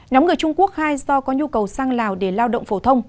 nhóm người trung quốc khai do có nhu cầu sang lào để lao động phổ thông